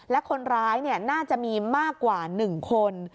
และคนร้ายน่าจะมีมากกว่า๑คน